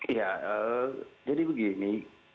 ya jadi begini